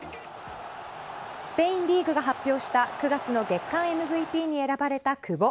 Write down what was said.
スペインリーグが発表した９月の月間ＭＶＰに選ばれた久保。